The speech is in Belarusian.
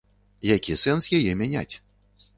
Які сэнс яе мяняць?